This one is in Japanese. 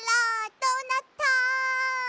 「どうなった？」